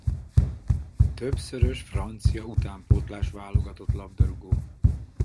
Többszörös francia utánpótlás-válogatott labdarúgó.